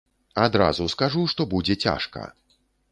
Адразу скажу, што будзе цяжка.